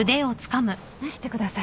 放してください。